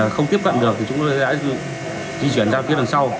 không tiếp cận được thì chúng tôi sẽ di chuyển ra phía đằng sau